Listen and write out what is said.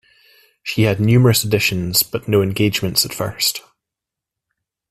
She had numerous auditions but no engagements at first.